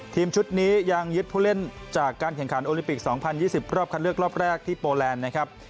ทีมชุดนี้ยังยึดผู้เล่นจากการแข่งขันโอลิปิก๒๐๒๐รอบคัดเลือกรอบแรกที่โปแลนด์นะครับ